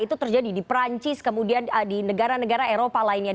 itu terjadi di perancis kemudian di negara negara eropa lainnya